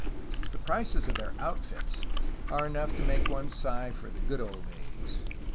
The prices of their outfit are enough to make one sigh for '^the good old days."